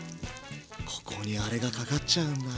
ここにアレがかかっちゃうんだ。